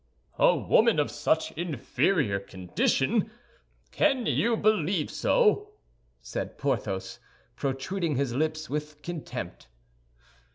"A woman of such inferior condition! Can you believe so?" said Porthos, protruding his lips with contempt.